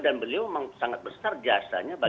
dan beliau memang sangat besar jasanya bagi negara ini